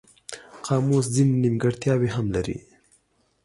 قاموس ځینې نیمګړتیاوې هم لري.